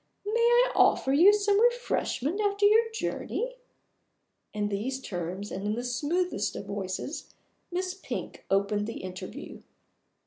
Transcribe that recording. May I offer you some refreshment after your journey?" In these terms and in the smoothest of voices, Miss Pink opened the interview.